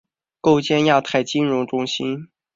建构亚太金融中心